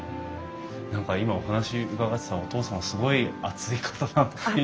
何か今お話伺ってたらお父さんすごい熱い方だなあって。